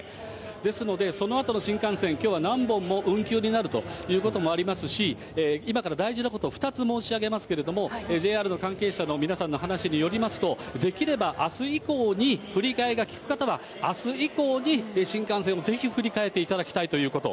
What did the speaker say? ですので、そのあとの新幹線、きょうは何本も運休になるということもありますし、今から大事なこと、２つ申し上げますけれども、ＪＲの関係者の皆さんの話によりますと、できればあす以降に振り替えがきく方は、あす以降に新幹線をぜひ振り替えていただきたいということ。